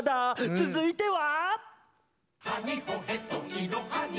続いては。